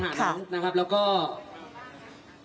จากทางนั้นล่ะสุดท้ายละครับ